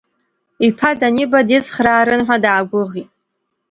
Иԥа даниба дицхраарын ҳәа даагәыӷит.